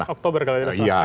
oktober kalau tidak salah